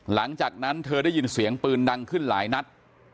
หลังจากนั้นเธอได้ยินเสียงปืนดังขึ้นหลายนัด